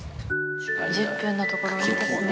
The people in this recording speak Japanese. １０分のところいいですね。